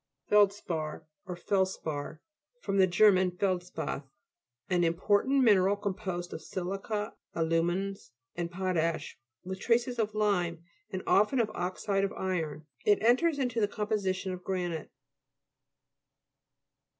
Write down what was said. FELD'SPAR, OR FELSPAR fr. ger. feldspath. An important mineral composed of si'lica, alu'mina, and potash, with traces of lime, and often of oxide of iron. It enters into the composition of granite.